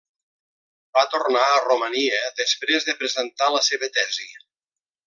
Va tornar a Romania després de presentar la seva tesi.